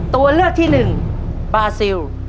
ตัวเลือกที่๑บาซิล